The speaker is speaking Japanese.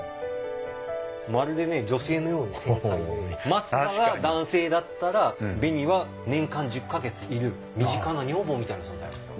まるで女性のように繊細で松葉が男性だったら紅は年間１０か月いる身近な女房みたいな存在ですよ。